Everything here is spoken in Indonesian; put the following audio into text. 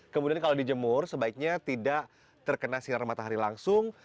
kemudian kalau dijemur sebaiknya tidak terkena sinar matahari langsung